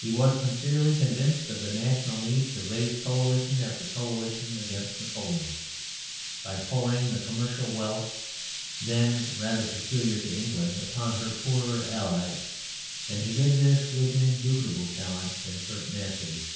He was sincerely convinced of the national need to raise coalition after coalition against Napoleon, by pouring the commercial wealth then rather peculiar to England upon her poorer Allies, and he did this with indubitable talent and pertinacity.